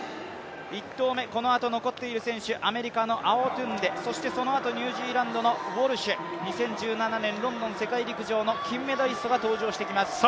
１投目、このあと残っている選手、アメリカのアウォトゥンデ、そしてそのあと、ニュージーランドのウォルシュ、２０１７年ロンドン世界陸上の金メダリストが登場してきます。